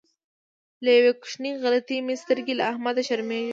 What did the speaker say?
له یوې کوچنۍ غلطۍ مې سترګې له احمده شرمېږي.